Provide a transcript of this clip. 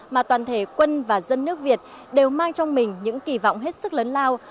mà toàn thể quân và dân nước việt đều mang trong mình những kỳ vọng hết sức lớn lao